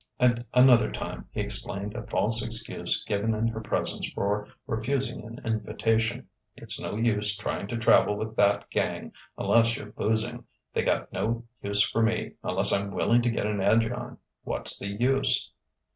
At another time he explained a false excuse given in her presence for refusing an invitation: "It's no use trying to travel with that gang unless you're boozing. They got no use for me unless I'm willing to get an edge on. What's the use?"